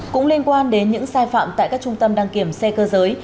cũng liên quan đến những sai phạm tại các trung tâm đăng kiểm xe cơ giới